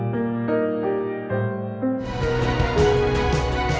tapi kayak pouredinitoran imate dan art accommingu